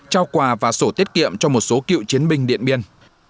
trao quà và sổ tiết kiệm cho một số cựu chiến binh điện biên